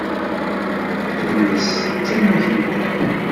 Tunes d tamurt yelhan.